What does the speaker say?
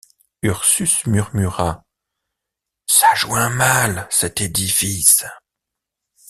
Ursus murmura: — Ça joint mal, cet édifice.